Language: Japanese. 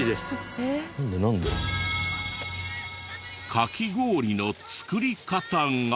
カキ氷の作り方が。